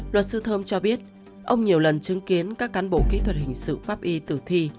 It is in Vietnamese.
luật sư thơm cho biết ông nhiều lần chứng kiến các cán bộ kỹ thuật hình sự pháp y tử thi